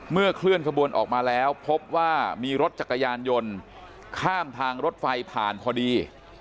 เคลื่อนขบวนออกมาแล้วพบว่ามีรถจักรยานยนต์ข้ามทางรถไฟผ่านพอดี